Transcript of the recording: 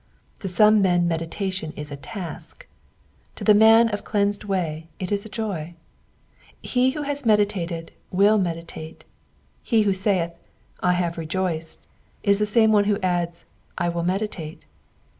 To some men meditation is a task ; to the man of cleansed way it is a joy. He who has meditated will meditate ; he who salth, '' 1 have rejoiced," is the same who adds, I will meditate.